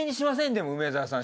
でも梅沢さん